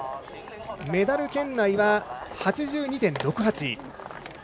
メダル圏内は８２．６８。